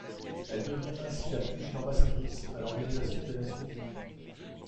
Elle devient ainsi la plus jeune ambassadrice à l'Organisation des Nations unies.